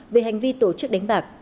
về hành vi tổ chức đánh bạc